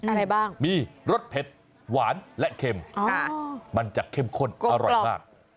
อะไรบ้างมีรสเผ็ดหวานและเค็มมันจะเข้มข้นอร่อยมาก